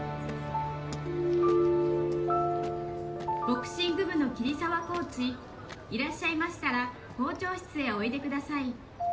「ボクシング部の桐沢コーチいらっしゃいましたら校長室へおいでください」